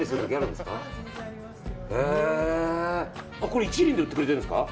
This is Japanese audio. これ１輪で売ってくれてるんですか？